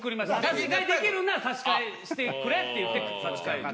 差し替えできるなら差し替えしてくれって言って差し替えて。